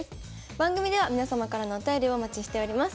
番組では皆様からのお便りをお待ちしております。